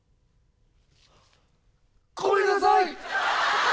ごめんなさい！